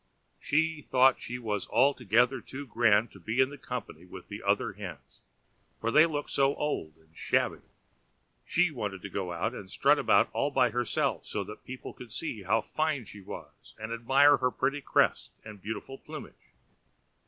She thought she was altogether too grand to be in company with the other hens, for they looked so old and shabby; she wanted to go out and strut about all by herself, so that people could see how fine she was, and admire her pretty crest and beautiful plumage.